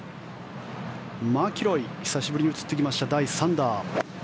マキロイ久しぶりに映ってきました第３打。